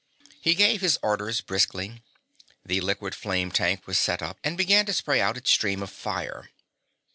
He gave his orders briskly. The liquid flame tank was set up, and began to spray out its stream of fire.